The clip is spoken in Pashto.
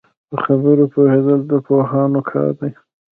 په خبرو پوهېدل د پوهانو کار دی